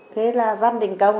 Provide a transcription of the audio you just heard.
thế là văn đình công